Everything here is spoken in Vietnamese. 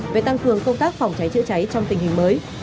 về tăng cường công tác phòng cháy chữa cháy trong tình hình mới